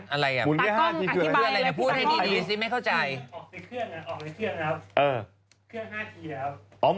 อะไรอ่ะปากกล้องอธิบายหมุนแค่๕ทีคืออะไร